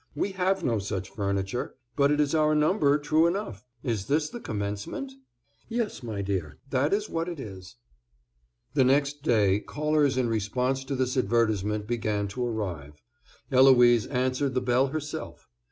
"We have no such furniture, but it is our number true enough. Is this the commencement?" "Yes, my dear, that is what it is." The next day callers in response to this advertisement began to arrive. Eloise answered the bell herself.